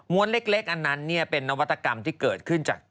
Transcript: ม้วนเล็กอันนั้นเป็นนวัตกรรมที่เกิดขึ้นจาก